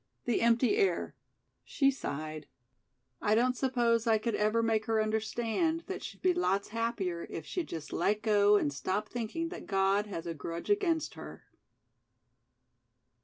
The empty air. She sighed. "I don't suppose I could ever make her understand that she'd be lots happier if she'd just let go and stop thinking that God has a grudge against her."